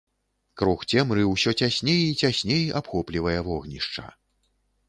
Круг цемры ўсё цясней і цясней абхоплівае вогнішча.